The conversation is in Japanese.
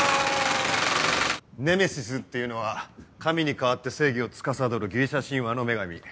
ネメシスっていうのは神に代わって正義をつかさどるギリシャ神話の女神。